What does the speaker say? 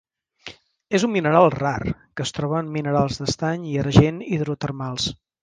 És un mineral rar, que es troba en minerals d'estany i argent hidrotermals.